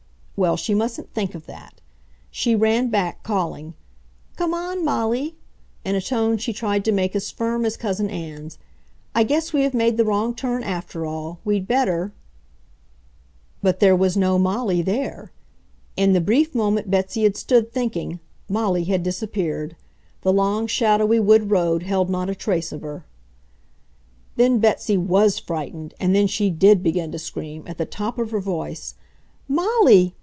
Well, she mustn't think of that. She ran back, calling, "Come on, Molly," in a tone she tried to make as firm as Cousin Ann's. "I guess we have made the wrong turn after all. We'd better ..." But there was no Molly there. In the brief moment Betsy had stood thinking, Molly had disappeared. The long, shadowy wood road held not a trace of her. Then Betsy WAS frightened and then she DID begin to scream, at the top of her voice, "Molly!